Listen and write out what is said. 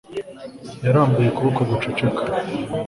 Yarambuye ukuboko guceceka